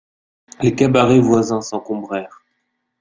Les cabarets voisins s'encombrèrent.